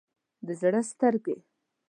د زړه سترګې